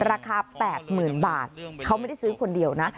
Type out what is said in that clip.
ราคา๘๐๐๐บาทเขาไม่ได้ซื้อคนเดียวนะ